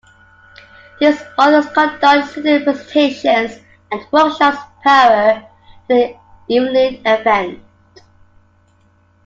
These authors conduct student presentations and workshops prior to the evening event.